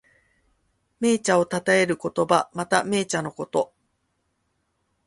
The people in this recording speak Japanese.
銘茶をたたえる言葉。また、銘茶のこと。